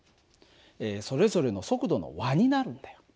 それぞれの速度の和になるんだよ。